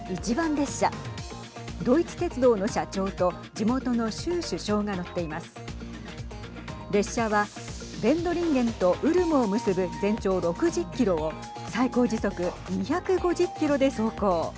列車はヴェンドリンゲンとウルムを結ぶ全長６０キロを最高時速２５０キロで走行。